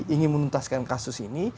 ingin menuntaskan kasus ini